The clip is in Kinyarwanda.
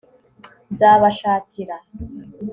nzabashakira